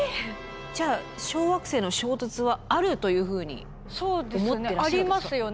じゃあ小惑星の衝突はあるというふうに思ってらっしゃるんですか？